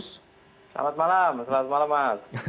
selamat malam selamat malam mas